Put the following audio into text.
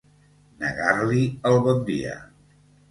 Negar-li el bon dia.